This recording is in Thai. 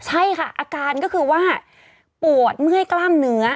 ใช่ค่ะอาการก็คือว่าปวดเมื่อยกล้ามเนื้อ